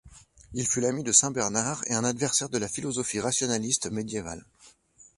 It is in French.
Il fut l'ami de saint Bernard et un adversaire de la philosophie rationaliste médiévale.